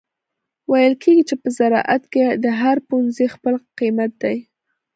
ویل کیږي چې په وزارت کې د هر پوهنځي خپل قیمت دی